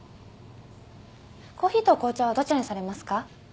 コーヒーと紅茶はどちらにされますか？